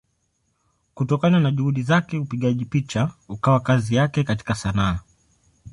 Kutokana na Juhudi zake upigaji picha ukawa kazi yake katika Sanaa.